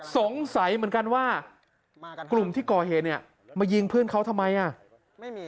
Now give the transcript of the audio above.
สงสัยเหมือนกันว่ากลุ่มที่ก่อเหตุเนี่ยมายิงเพื่อนเขาทำไมอ่ะไม่มี